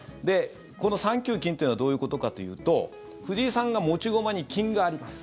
この３九金というのはどういうことかというと藤井さんが持ち駒に金があります。